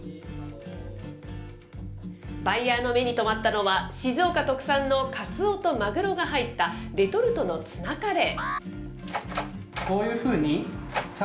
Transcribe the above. バイヤーの目に留まったのは、静岡特産のカツオとマグロが入ったレトルトのツナカレー。